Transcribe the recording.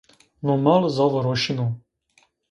No mal zaf roşino.